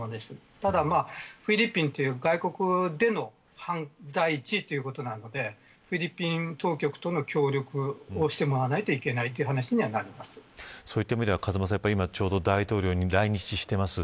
ただ、フィリピンという外国での犯罪ということが第一なのでフィリピン当局との協力をしてもらわないといけないそういった意味では大統領が来日しています。